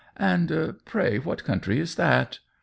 "And pray what country is that